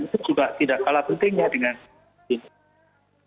itu juga tidak kalah pentingnya dengan itu